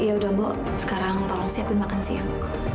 ya udah bu sekarang tolong siapin makan siang